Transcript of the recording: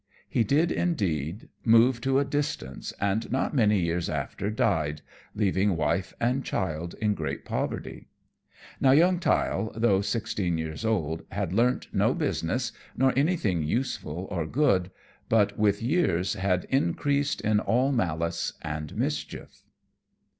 He did, indeed, move to a distance, and not many years after died, leaving wife and child in great poverty. Now young Tyll, though sixteen years old, had learnt no business, nor anything useful or good, but with years had increased in all malice and mischief.